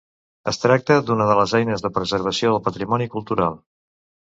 Es tracta d'una de les eines de preservació del patrimoni cultural.